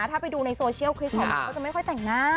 ถ้าไปดูในโซเชียลคริสของหนูก็จะไม่ค่อยแต่งหน้า